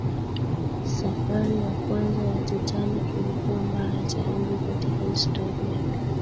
safari ya kwanza ya titanic ilikuwa mbaya zaidi katika historia